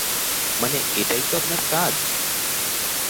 মানে, এটাই তো আপনার কাজ?